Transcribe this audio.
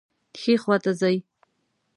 ښي خواته ځئ